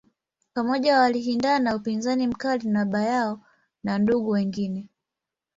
Pamoja, walishinda upinzani mkali wa baba yao na ndugu wengine.